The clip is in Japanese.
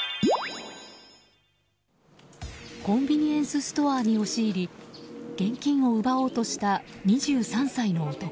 コンビニエンスストアに押し入り現金を奪おうとした２３歳の男。